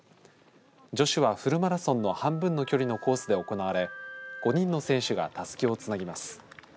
女子はフルマラソンの半分の距離のコースで行われ５人の選手がたすきをつなぎます。